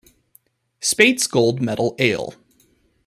Speights Gold Medal Ale.